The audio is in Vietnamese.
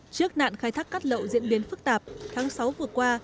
trước nạn khai thác cát lậu diễn biến phức tạp tháng sáu vừa qua